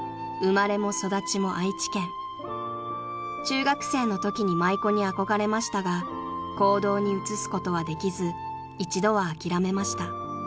［中学生のときに舞妓に憧れましたが行動に移すことはできず一度は諦めました］